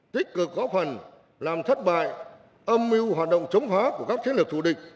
tích cực góp phần làm thất bại âm mưu hoạt động chống phá của các chiến lược thủ địch